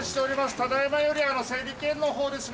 「ただ今より、整理券の方ですね